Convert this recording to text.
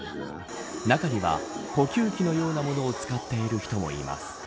中には、呼吸器のようなものを使っている人もいます。